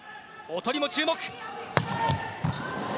音にも注目です。